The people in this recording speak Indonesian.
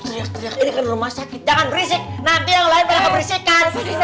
eh eh shhh itu teriak teriak ini kan rumah sakit jangan berisik nanti yang lain mereka bersihkan